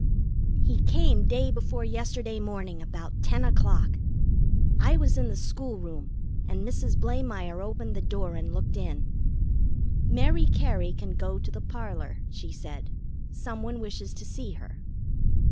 He came day before yesterday morning about ten o'clock. I was in the school room, and Mrs. Blamire opened the door and looked in. "Mary Cary can go to the parlor," she said. "Some one wishes to see her."